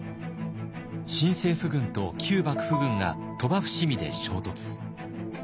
新政府軍と旧幕府軍が鳥羽・伏見で衝突。